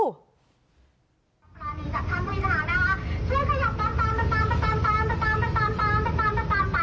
พลิกเลี่ยงกันปัด